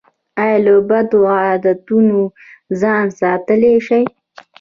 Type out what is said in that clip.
ایا له بدو عادتونو ځان ساتلی شئ؟